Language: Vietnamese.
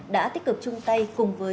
đã tích cực chung tay cùng với